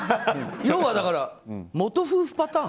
要は、元夫婦パターン。